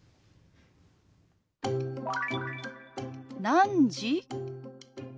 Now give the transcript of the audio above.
「何時？」。